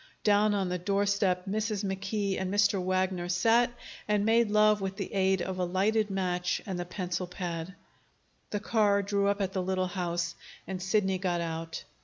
Down on the doorstep, Mrs. McKee and Mr. Wagner sat and made love with the aid of a lighted match and the pencil pad. The car drew up at the little house, and Sidney got out.